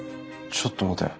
ちょっと待て。